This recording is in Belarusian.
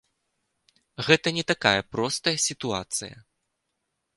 Гэта не такая простая сітуацыя.